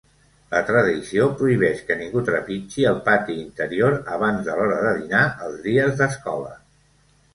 La tradició prohibeix que ningú trepitgi el pati interior abans de l'hora de dinar els dies d'escola.